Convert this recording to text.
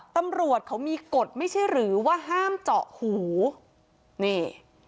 ตำรวจเขามีกฎไม่ใช่หรือว่าห้ามเจาะหูนี่